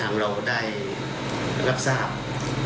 เราได้รับทราบ